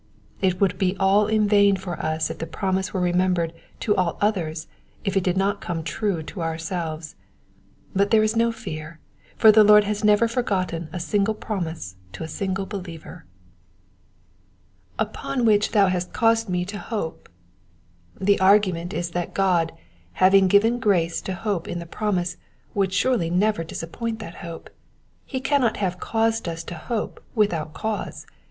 It would be all in vain for us if the promise were remembered to all others if it did not come true to ourselves ; but there is no fear, for the Lord has never forgotten a single promise to a single believer. 9 Digitized by VjOOQIC 130 EXPOSITIONS OF THE PSALMS. ^^Upon which thou hcut eauaed me to hope.^^ The argument is that God, having given grace to hope in the promise, would surely never disappoint that hope. He cannot have caused us to hope without cause.